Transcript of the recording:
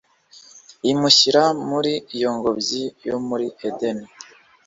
imushyira muri iyo ngobyi yo muri edeni